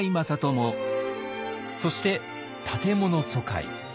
そして建物疎開。